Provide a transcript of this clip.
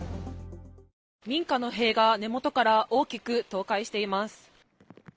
民家の塀が根元から大きく倒壊しています。